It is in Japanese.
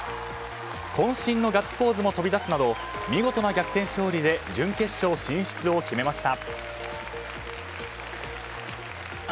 渾身のガッツポーズも飛び出すなど見事な逆転勝利で準決勝進出を決めました。